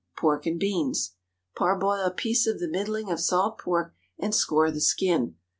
PORK AND BEANS. Parboil a piece of the middling of salt pork, and score the skin.